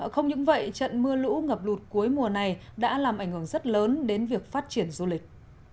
không những vậy trận mưa lũ ngập lụt cuối mùa này đã làm ảnh hưởng rất lớn đến việc phát triển du lịch